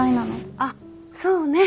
あっそうね。